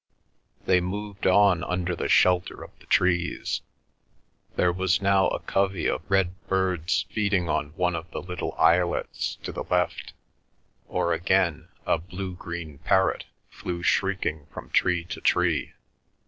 They moved on under the shelter of the trees. There was now a covey of red birds feeding on one of the little islets to the left, or again a blue green parrot flew shrieking from tree to tree.